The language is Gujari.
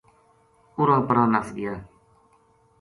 اُراں پراں نس گیا